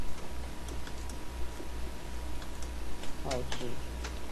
广内号志站根室本线与石胜线上的号志站。